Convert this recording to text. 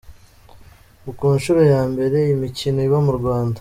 Ni ku nshuro ya mbere iyi mikino iba mu Rwanda.